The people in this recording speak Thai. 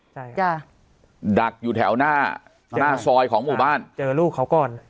ใช่จ้ะดักอยู่แถวหน้าหน้าซอยของหมู่บ้านเจอลูกเขาก่อน